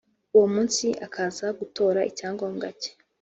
uwo munsi akaza gutora icyangombwa cye